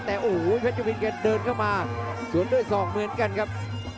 แต่โอ้โหเพชรจุวินแกเดินเข้ามาสวนด้วยศอกเหมือนกันครับ